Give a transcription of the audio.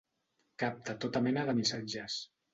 Capta tota mena de missatges.